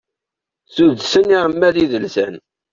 Suddsen irmad idelsanen.